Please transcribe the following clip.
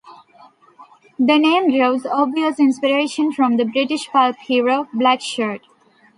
The name draws obvious inspiration from the British pulp hero, Blackshirt.